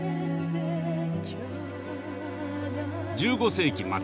１５世紀末